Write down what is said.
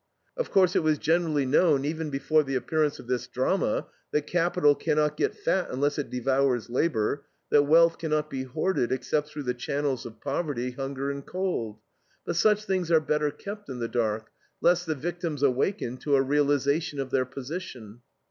Of course, it was generally known even before the appearance of this drama that capital can not get fat unless it devours labor, that wealth can not be hoarded except through the channels of poverty, hunger, and cold; but such things are better kept in the dark, lest the victims awaken to a realization of their position.